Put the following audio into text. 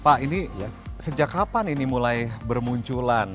pak ini sejak kapan ini mulai bermunculan